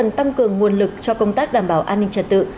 các phần tăng cường nguồn lực cho công tác đảm bảo an ninh trật tự